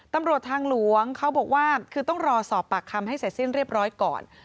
ตำรวจทางหลวงเขาบอกว่าคือต้องรอสอบปากคำให้เสร็จสิ้นเรียบร้อยก่อน